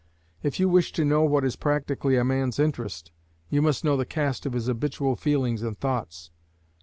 If you wish to know what is practically a man's interest, you must know the cast of his habitual feelings and thoughts.